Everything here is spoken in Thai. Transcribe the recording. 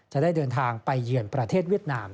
จะได้เดินทางไปเยือนประเทศเวียดนาม